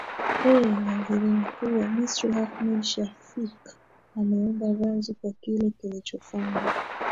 eeh waziri mkuu wa misri ahmed shafik ameomba radhi kwa kile kilichofanywa